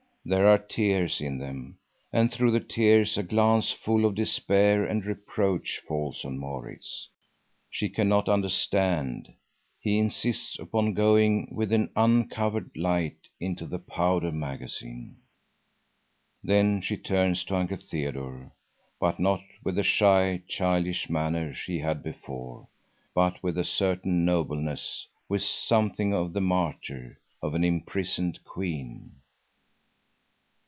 There are tears in them, and through the tears a glance full of despair and reproach falls on Maurits. She cannot understand; he insists upon going with an uncovered light into the powder magazine. Then she turns to Uncle Theodore; but not with the shy, childish manner she had before, but with a certain nobleness, with something of the martyr, of an imprisoned queen.